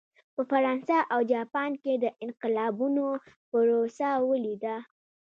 په فرانسه او جاپان کې د انقلابونو پروسه ولیده.